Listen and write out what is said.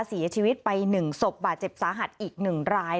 เสียชีวิตไป๑ศพบาดเจ็บสาหัสอีก๑ราย